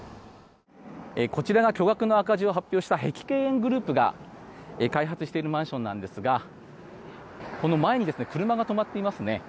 こちら巨額の赤字を発表した碧桂園グループが開発しているマンションなんですが前に車が止まっていますね。